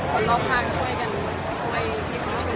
มันจะประมาณเดียวกัน